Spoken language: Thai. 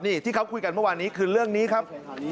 นี่ที่เขาคุยกันเมื่อวานนี้คือเรื่องนี้ครับ